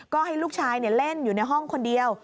ก็ให้ลูกชายเล่นอยู่ในห้องคนเดียว